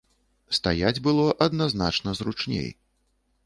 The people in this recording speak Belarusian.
Стаяць было адназначна зручней.